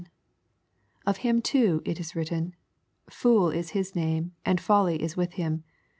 Of him too it is written, " Fool is his name, and folly is with him."